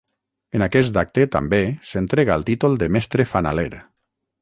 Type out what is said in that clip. En aquest acte, també, s'entrega el títol de Mestre Fanaler.